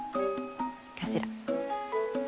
かしら。